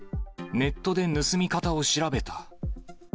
ネットで盗み方を調べた。